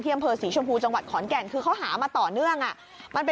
เพิ่มแล้วล้อมไว้ล้อมไว้แต่จับยังไม่ได้